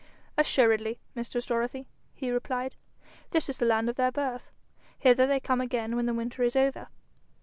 'Assuredly, mistress Dorothy,' he replied; 'this is the land of their birth. Hither they come again when the winter is over.'